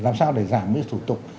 làm sao để giảm những cái thủ tục